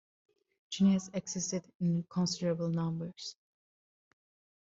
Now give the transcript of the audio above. Jinetes existed in considerable numbers.